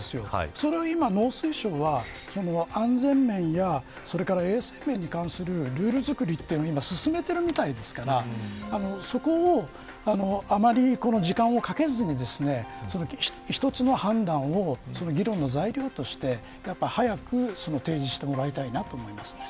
それを農水省は安全面や衛生面に関するルール作りを進めているみたいですからそこにあまり時間をかけずに１つの判断を議論の材料として早く提示してもらいたいなと思います。